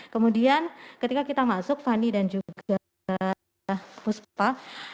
kemudian ketika kita masuk fani dan juga puspa